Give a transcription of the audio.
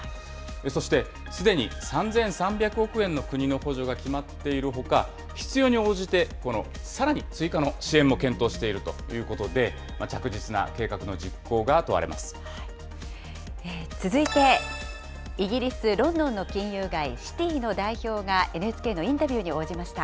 そして、すでに３３００億円の国の補助が決まっているほか、必要に応じて、さらに追加の支援も検討しているということで、続いて、イギリス・ロンドンの金融街、シティの代表がＮＨＫのインタビューに応じました。